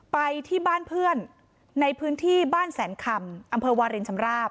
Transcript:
ไปที่บ้านเพื่อนในพื้นที่บ้านแสนคำอำเภอวารินชำราบ